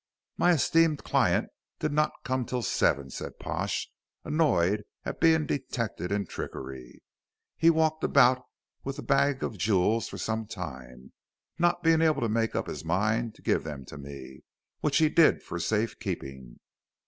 "My esteemed client did not come till seven," said Pash, annoyed at being detected in trickery. "He walked about with the bags of jewels for some time, not being able to make up his mind to give them to me, which he did for safe keeping."